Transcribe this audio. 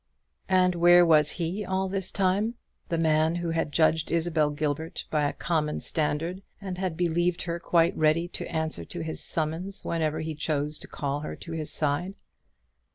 And where was he all this time the man who had judged Isabel Gilbert by a common standard, and had believed her quite ready to answer to his summons whenever he chose to call her to his side?